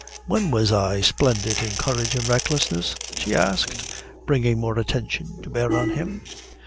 "When was I splendid in courage and recklessness?" she asked, bringing more attention to bear on him.